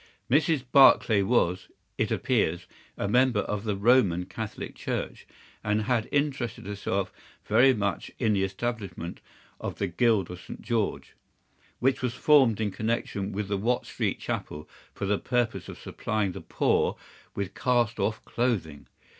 "Mrs. Barclay was, it appears, a member of the Roman Catholic Church, and had interested herself very much in the establishment of the Guild of St. George, which was formed in connection with the Watt Street Chapel for the purpose of supplying the poor with cast off clothing.